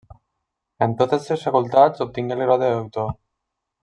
En totes tres facultats obtingué el grau de doctor.